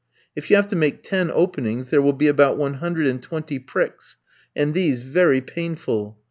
If you have to make ten openings there will be about one hundred and twenty pricks, and these very painful.